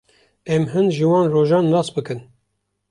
Em hin ji wan rojan nas bikin.